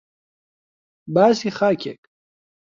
باسی خاکێک